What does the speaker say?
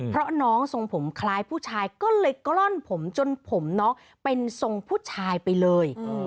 เพราะน้องทรงผมคล้ายผู้ชายก็เลยกล้อนผมจนผมน้องเป็นทรงผู้ชายไปเลย